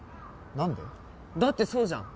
だってそうじゃん。